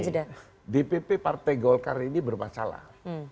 jadi gini dpp partai golkar ini bermasalah